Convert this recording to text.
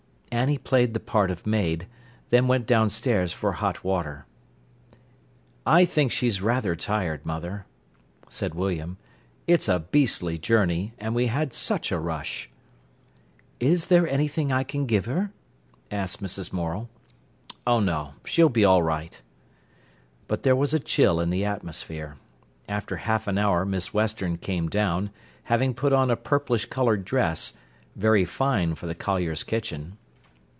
Annie played the part of maid, then went downstairs for hot water. "I think she's rather tired, mother," said William. "It's a beastly journey, and we had such a rush." "Is there anything I can give her?" asked Mrs. Morel. "Oh no, she'll be all right." But there was a chill in the atmosphere. After half an hour Miss Western came down, having put on a purplish coloured dress, very fine for the collier's kitchen.